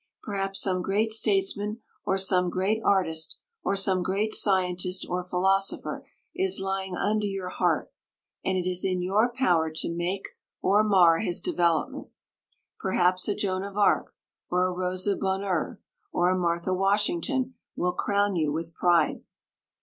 Perhaps some great statesman, or some great artist, or some great scientist or philosopher is lying under your heart, and it is in your power to make or mar his development. Perhaps a Joan of Arc, or a Rosa Bonheur, or a Martha Washington will crown you with pride.